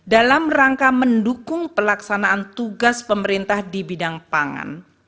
dalam rangka mendukung pelaksanaan tugas pemerintah di bidang pangan